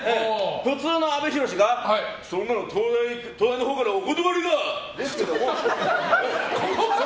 普通の阿部寛がそんなの東大のほうからお断りだ！